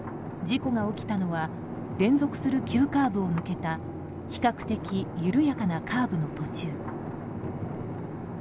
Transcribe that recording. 事故が起きたのは連続する急カーブを抜けた比較的緩やかなカーブの途中。